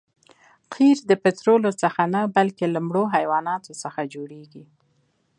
قیر د پطرولو څخه نه بلکې له مړو حیواناتو جوړیږي